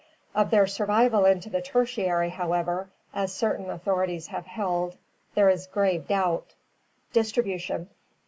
Of their survival into the Tertiary, however, as certain authorities have held, there is grave doubt. Distribution.